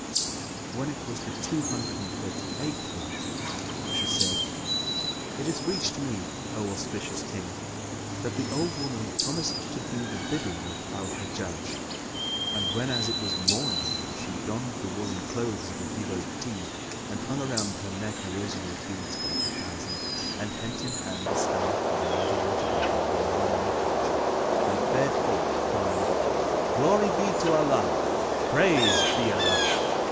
When it was the Two Hundred and Thirty eighth Night, She said, It hath reached me, O auspicious King, that the old woman promised to do the bidding of Al Hajjaj, and whenas it was morning she donned the woollen clothes of a devotee[FN#7] and hung around her neck a rosary of beads by the thousand and hent in hand a staff and a leather water bottle of Yamani manufacture and fared forth crying, "Glory be to Allah! Praised be Allah!